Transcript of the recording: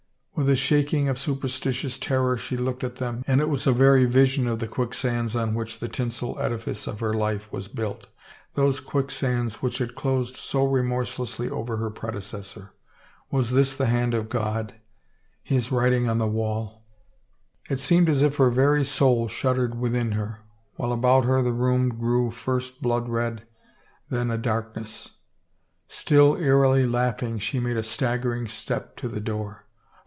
" With a shaking of superstitious terror she looked at them and it was a very vision of the quicksands on which the tinsel edifice of her life was built, those quicksands which had closed so remorselessly over her predecessor. Was this the hand of God — His Writing on the Wall? It seemed as if her very soul shuddered within her, « while about her the room grew first blood red and then a darkness. Still eerily laughing, she made a stagger ing step to the door.